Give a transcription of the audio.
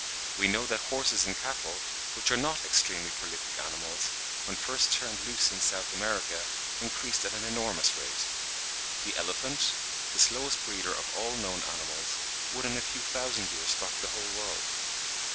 We know that horses and cattle, which are not extremely prolific animals, when first turned loose in South America, increased at an enormous rate. The elephant, the slowest breeder of all known animals, would in a few thousand years stock the whole world.